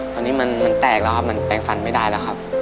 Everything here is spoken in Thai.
ตอนนี้มันแตกแล้วครับมันแปลงฟันไม่ได้แล้วครับ